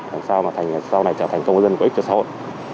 làm sao mà thành sau này trở thành công dân có ích cho xã hội